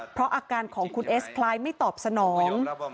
เพราะอาการของคุณเอสคล้ายไม่ตอบสนอง